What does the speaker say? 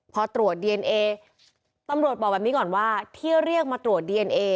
พอตรวจดีเอนเอตำรวจบอกแบบนี้ก่อนว่าที่เรียกมาตรวจดีเอนเอ